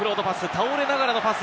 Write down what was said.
倒れながらのパス。